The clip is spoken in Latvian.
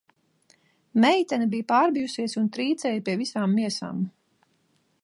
Meitene bija pārbijusies un trīcēja pie visām miesām